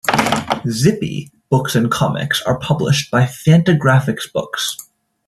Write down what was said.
"Zippy" books and comics are published by Fantagraphics Books.